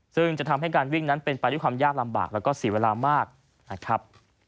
ซึ่งจะทำให้การวิ่งนั้นเป็นไปด้วยความยากลำบากแล้วก็เสียเวลามากนะครับ